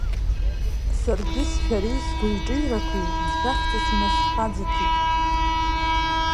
Саргьы сшәареи сыгәыҩ-ҿыҩрақәеи ӡшәахҵас инасхаӡыҭит.